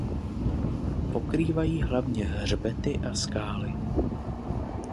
Pokrývají hlavně hřbety a skály.